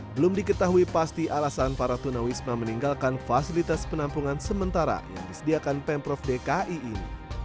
belum diketahui pasti alasan para tunawisma meninggalkan fasilitas penampungan sementara yang disediakan pemprov dki ini